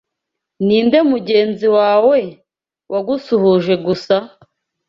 Ninde mugenzi wawe wagusuhuje gusa?